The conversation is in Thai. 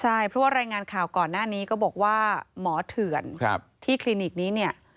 ใช่เพราะว่ารายงานข่าวก่อนหน้านี้ก็บอกว่าหมอเถื่อนที่คลินิกนี้เนี่ย